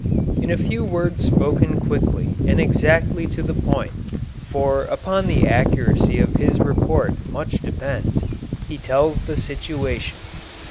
In a few words spoken quickly and exactly to the point for upon the accuracy of his report much depends he tells the situation.